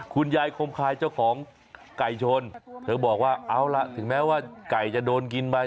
คุณยายคมคายเจ้าของไก่ชนเธอบอกว่าเอาล่ะถึงแม้ว่าไก่จะโดนกินไป